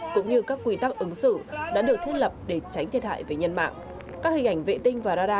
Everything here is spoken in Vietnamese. cũng như các quy tắc ứng xử đã được thiết lập để tránh thiệt hại về nhân mạng